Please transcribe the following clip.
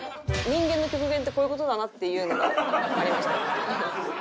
人間の極限ってこういう事だなっていうのがありました。